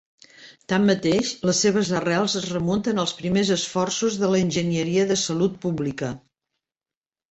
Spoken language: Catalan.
Tanmateix, les seves arrels es remunten als primers esforços de la enginyeria de salut pública.